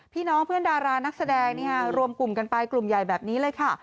พี่น้องเพื่อนดารานักแสดงรวมกลุ่มกันไปกลุ่มใหญ่แบบนี้เลยค่ะ